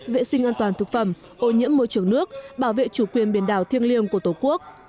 vệ sinh an toàn thực phẩm ô nhiễm môi trường nước bảo vệ chủ quyền biển đảo thiêng liêng của tổ quốc